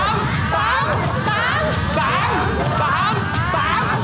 สวัสดีครับ